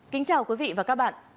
kính chào quý vị và các bạn